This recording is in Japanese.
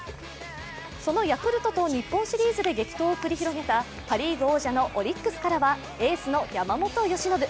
そのヤクルトと日本シリーズで激闘を繰り広げたパ・リーグ王者のオリックスからはエースの山本由伸。